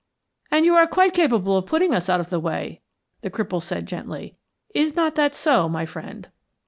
"And you are quite capable of putting us out of the way," the cripple said, gently. "Is not that so, my friend?"